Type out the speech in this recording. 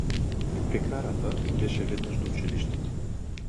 Пекарата беше веднаш до училиштето.